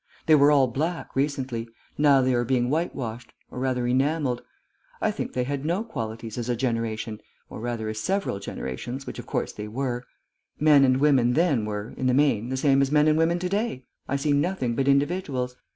They were all black recently; now they are being white washed or rather enamelled. I think they had no qualities, as a generation (or rather as several generations, which, of course, they were); men and women then were, in the main, the same as men and women to day, I see nothing but individuals.